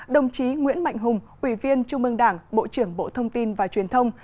đồng chí nguyễn mạnh hùng ủy viên trung mương đảng bộ trưởng bộ thông tin và truyền thông